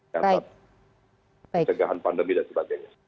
yang pencegahan pandemi dan sebagainya